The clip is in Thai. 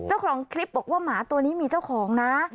เจ้าของคลิปบอกว่าหมาตัวนี้มีเจ้าของนะ